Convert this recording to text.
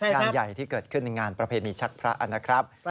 งานใหญ่ที่เกิดขึ้นในงานประเพณีชักพระนะครับ